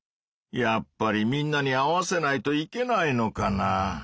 やっぱりみんなに合わせないといけないのかな？